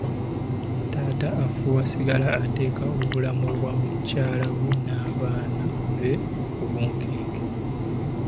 Taata afuuwa sigala ateeka obulamu bwa mukyala we n'abaana be ku bunkenke.